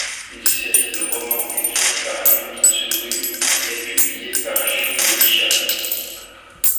Une série de romans écrite par Yū Mitsuru est publiée par Shūeisha.